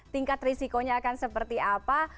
tingkat risikonya akan seperti apa